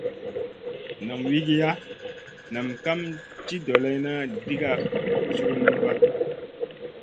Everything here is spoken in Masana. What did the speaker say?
Nam wigiya nam kam ci doleyna diga culumba.